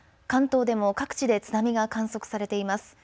関東でも各地で津波が観測されています。